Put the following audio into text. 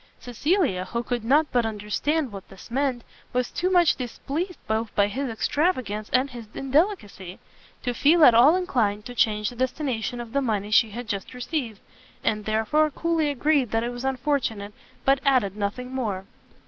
Cecilia, who could not but understand what this meant, was too much displeased both by his extravagance and his indelicacy, to feel at all inclined to change the destination of the money she had just received; and therefore coolly agreed that it was unfortunate, but added nothing more.